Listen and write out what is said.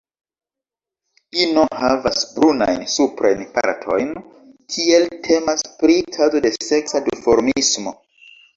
Ino havas brunajn suprajn partojn, tiele temas pri kazo de seksa duformismo.